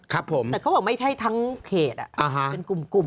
ครับผมแต่เขาบอกไม่ใช่ทั้งเขตเป็นกลุ่ม